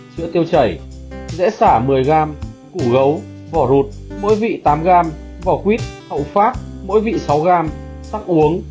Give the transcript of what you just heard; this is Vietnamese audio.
chữa tiêu chảy dễ xả một mươi g củ gấu vỏ rụt mỗi vị tám g vỏ quýt hậu phát mỗi vị sáu g sắc uống